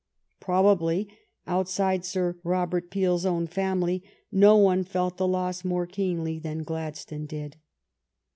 Probably outside Sir Robert Peel's own family no one felt the loss more keenly than Gladstone did.